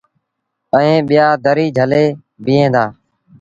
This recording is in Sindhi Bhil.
ائيٚݩ ٻيٚآ دريٚ جھلي بيٚهين دآ۔